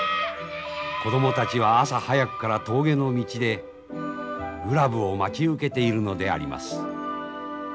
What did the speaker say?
子供たちは朝早くから峠の道でグラブを待ち受けているのであります。